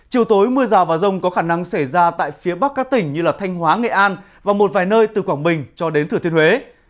chiều tối mưa rào và rông có khả năng xảy ra tại phía bắc các tỉnh như thanh hóa nghệ an và một vài nơi từ quảng bình cho đến thử thiên huế